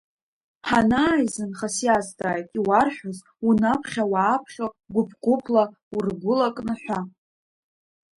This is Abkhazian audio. Ҳанааизынха сиазҵааит иуарҳәоз унаԥхьо-уааԥхьо, гәыԥ-гәыԥла ургәылакны ҳәа.